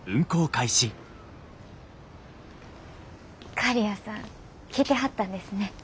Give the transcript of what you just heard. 刈谷さん来てはったんですね。